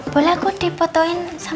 boleh aku dipotoin sama